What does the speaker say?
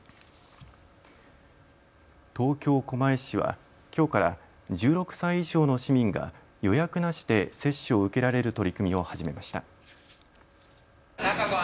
東京狛江市はきょうから１６歳以上の市民が予約なしで接種を受けられる取り組みを始めました。